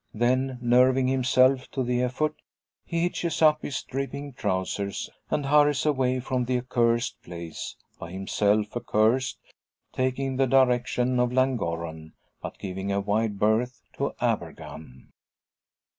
Then, nerving himself to the effort, he hitches up his dripping trousers, and hurries away from the accursed place by himself accursed taking the direction of Llangorren, but giving a wide berth to Abergann.